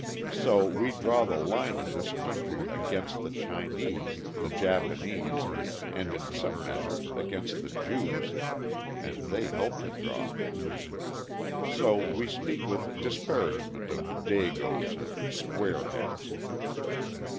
So we draw the line in this country against the Chinese, the Japanese, and in some measure against the Jews (and they help to draw it). So we speak with disparagement of "dagoes" and "square heads."